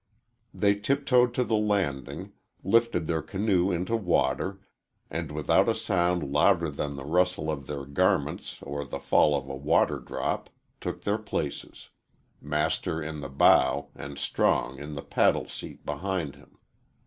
They tiptoed to the landing, lifted their canoe into water, and, without a sound louder than the rustle of their garments or the fall of a water drop, took their places, Master in the bow and Strong in the paddle seat behind him.